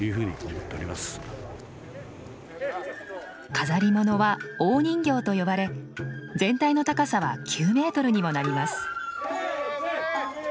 飾り物は大人形と呼ばれ全体の高さは９ｍにもなります。